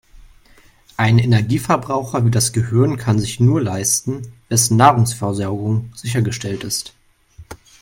Einen Energieverbraucher wie das Gehirn kann sich nur leisten, wessen Nahrungsversorgung sichergestellt ist.